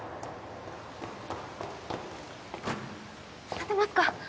立てますか？